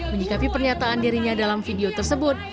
menyikapi pernyataan dirinya dalam video tersebut